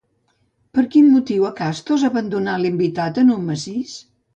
Per quin motiu Acastos abandonà l'invitat en un massís?